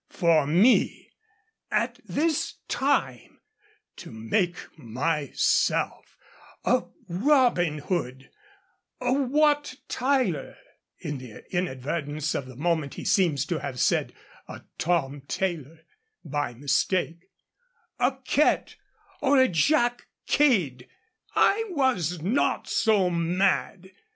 For me, at this time, to make myself a Robin Hood, a Wat Tyler [in the inadvertence of the moment he seems to have said 'a Tom Tailor,' by mistake], a Kett, or a Jack Cade! I was not so mad!